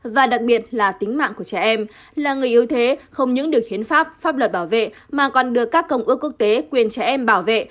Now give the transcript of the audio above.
và đặc biệt là tính mạng của trẻ em là người yếu thế không những điều khiến pháp pháp luật bảo vệ mà còn được các công ước quốc tế quyền trẻ em bảo vệ